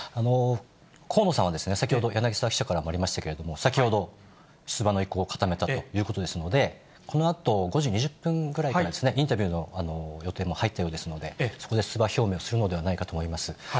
河野さんは先ほど、柳沢記者からもありましたけれども、先ほど出馬の意向を固めたということですので、このあと５時２０分ぐらいからですね、インタビューの予定も入っているようですので、そこで出馬表明をするのではないかと思います。